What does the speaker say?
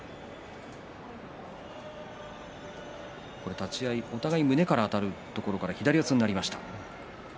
立ち合い、お互い胸からあたるところから左四つになりました。